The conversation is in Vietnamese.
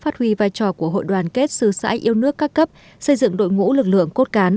thuy vai trò của hội đoàn kết xứ xã yêu nước ca cấp xây dựng đội ngũ lực lượng cốt cán